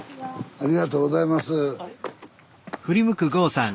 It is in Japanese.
ありがとうございます。